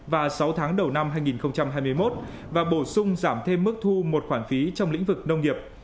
và sáu tháng đầu năm hai nghìn hai mươi một và bổ sung giảm thêm mức thu một khoản phí trong lĩnh vực nông nghiệp